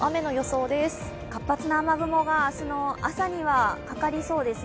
活発な雨雲が明日の朝にはかかりそうです。